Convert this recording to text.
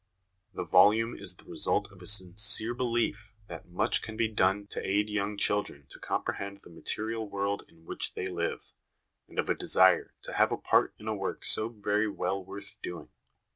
... The volume is the result of a sincere belief that much can be done to aid young children to comprehend the material world in which they live, and of a desire to have a part in a work so very well worth doing."